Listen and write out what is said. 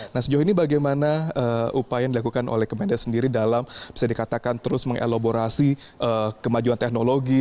nah sejauh ini bagaimana upaya yang dilakukan oleh kementerian desa sendiri dalam bisa dikatakan terus mengelaborasi kemajuan teknologi